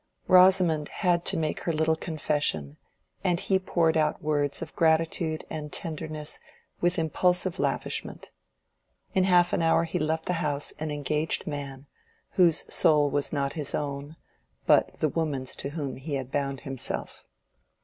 Rosamond had to make her little confession, and he poured out words of gratitude and tenderness with impulsive lavishment. In half an hour he left the house an engaged man, whose soul was not his own, but the woman's to whom he had bound himself.